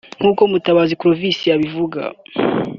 nk’uko Mutabazi Claver abivuga